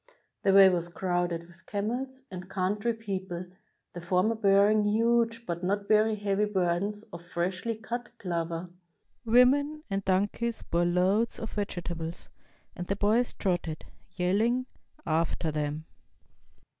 The way was crowded with camels and coimtry peo ple, the former bearing huge but not very heavy burdens of freshly cut clover. Women and donkeys bore loads of vegetables, and the boys trotted, yelling, after them.